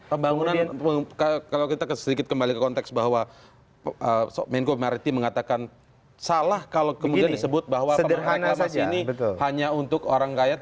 pembangunan kalau kita sedikit kembali ke konteks bahwa soekmenko mereti mengatakan salah kalau kemudian disebut bahwa pembangunan ekonomi ini hanya untuk orang kaya